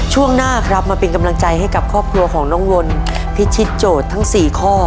ช่วงหน้าครับมาเป็นกำลังใจให้กับครอบครัวของน้องวนพิชิตโจทย์ทั้ง๔ข้อ